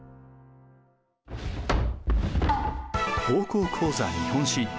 「高校講座日本史」。